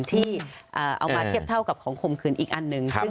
ที่เอามาเทียบเท่ากับของข่มขืนอีกอันหนึ่ง